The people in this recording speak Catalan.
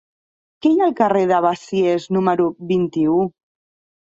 Què hi ha al carrer de Besiers número vint-i-u?